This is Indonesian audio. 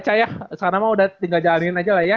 cak ya sekarang mah udah tinggal jalanin aja lah ya